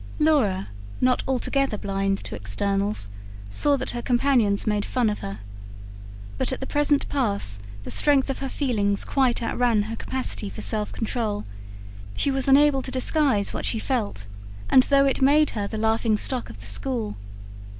Laura, not altogether blind to externals, saw that her companions made fun of her. But at the present pass, the strength of her feelings quite out ran her capacity for self control; she was unable to disguise what she felt, and though it made her the laughing stock of the school.